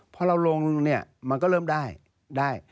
พอเราลงเนี่ยมันก็เริ่มได้ได้